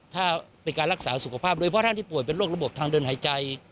ถ้าเป็นการรักษาสุขภาพโดยเพราะท่านที่ป่วยเป็นโรคระบบทางเดินหายใจ